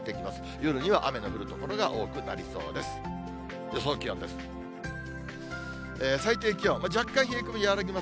夜には雨の降る所が多くなりそうです。